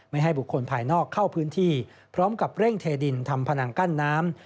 ให้บุคคลภายนอกเข้าพื้นที่พร้อมกับเร่งเทดินทำพนังกั้นน้ำ